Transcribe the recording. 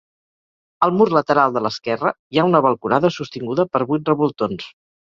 Al mur lateral de l'esquerra hi ha una balconada sostinguda per vuit revoltons.